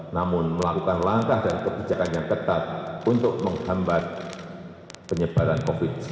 namun melakukan langkah dan kebijakan yang ketat untuk menghambat penyebaran covid sembilan belas